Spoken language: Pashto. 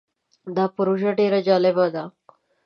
دا پروژه ډیر جالبه ده.